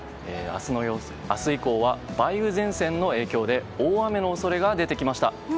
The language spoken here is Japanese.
明日以降は梅雨前線の影響で大雨の恐れが出てきました。